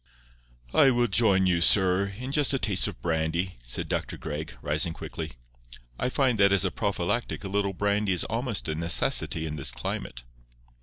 "I will join you, sir, in just a taste of brandy," said Dr. Gregg, rising quickly. "I find that as a prophylactic a little brandy is almost a necessity in this climate."